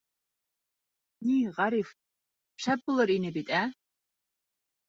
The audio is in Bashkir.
— Ни, Ғариф, шәп булыр ине бит, ә?